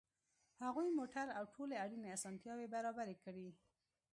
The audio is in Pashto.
هغوی موټر او ټولې اړینې اسانتیاوې برابرې کړې